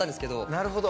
なるほど。